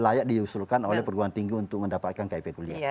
layak diusulkan oleh perguruan tinggi untuk mendapatkan kip kuliah